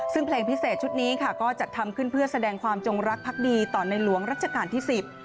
ซึ่งเพลงพิเศษชุดนี้ค่ะก็จัดทำขึ้นเพื่อแสดงความจงรักพักดีต่อในหลวงรัชกาลที่สิบ